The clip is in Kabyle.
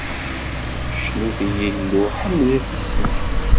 Cnut i Yillu, ḥemdet isem-is.